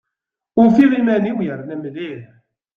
Ufiɣ iman-iw yerna mliḥ.